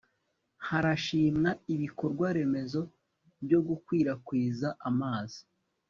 harashimwa ibikorwaremezo byo gukwirakwiza amazi